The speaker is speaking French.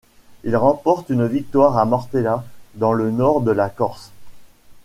Il remporte une victoire à Mortella, dans le nord de la Corse.